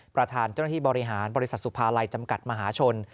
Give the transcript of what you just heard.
ประธานเจ้าหน้าที่บริหารบริษัทสุภาลัยจำกัดมหาชน